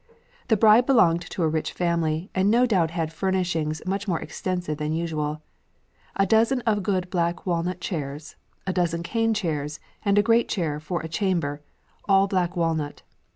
The bride belonged to a rich family and no doubt had furnishings much more extensive than usual: "A Duzen of good Black Walnut Chairs, A Duzen Cane Chairs, and a great chair for a chamber, all black Walnut.